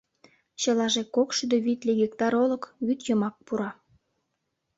Чылаже кок шӱдӧ витле гектар олык вӱд йымак пура.